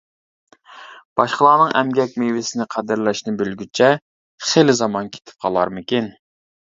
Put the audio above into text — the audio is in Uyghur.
باشقىلارنىڭ ئەمگەك مېۋىسىنى قەدىرلەشنى بىلگۈچە خېلى زامان كېتىپ قالارمىكىن.